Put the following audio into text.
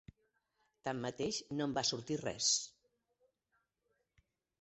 Tanmateix, no en va sortir res.